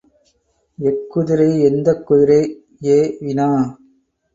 எக்குதிரை எந்தக் குதிரை எ வினா.